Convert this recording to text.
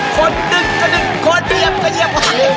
คนหนึ่งก็หนึ่งคนเยียบก็เยียบไหว